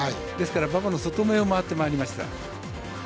馬場の外めを回ってまいりました。